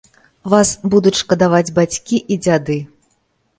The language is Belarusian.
Вас будуць шкадаваць бацькі і дзяды.